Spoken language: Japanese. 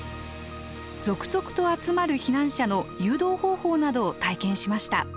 続々と集まる避難者の誘導方法などを体験しました。